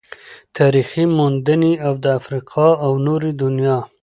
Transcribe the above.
تاريخي موندنې او د افريقا او نورې دنيا